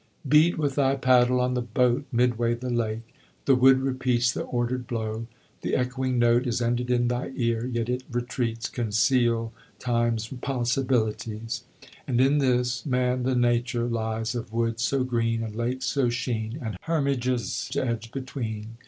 "Beat with thy paddle on the boat Midway the lake, the wood repeats The ordered blow; the echoing note Is ended in thy ear; yet its retreats Conceal Time's possibilities; And in this Man the nature lies Of woods so green, And lakes so sheen, And hermitages edged between.